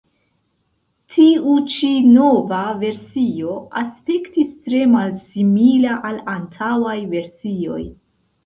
Tiu ĉi nova versio aspektis tre malsimila al antaŭaj versioj.